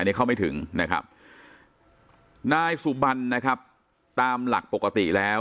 อันนี้เข้าไม่ถึงนะครับนายสุบันนะครับตามหลักปกติแล้ว